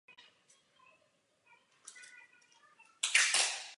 Po olympijském vítězství začala profesionálně vystupovat v revue "Holiday on Ice".